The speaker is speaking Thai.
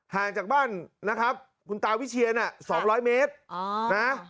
ห่างจากบ้านนะครับคุณตาวิเชียน๒๐๐เมตรนะ